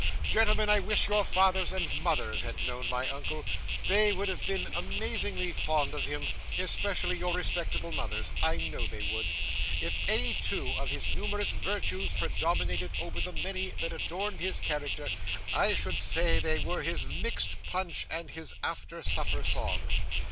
Gentlemen, I wish your fathers and mothers had known my uncle. They would have been amazingly fond of him, especially your respectable mothers; I know they would. If any two of his numerous virtues predominated over the many that adorned his character, I should say they were his mixed punch and his after supper song.